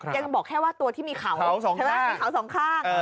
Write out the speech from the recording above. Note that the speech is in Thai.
ยังบอกแค่ว่าตัวที่มีเขาใช่ไหมมีเขาสองข้าง